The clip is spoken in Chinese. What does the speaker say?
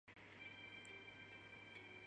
这一变故导致乔清秀精神失常。